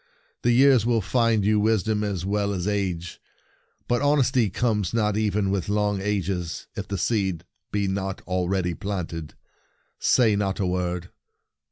" The years will find you wis dom as well as age ; but hon esty comes not even with long ages if the seed be not already planted. Say not a word."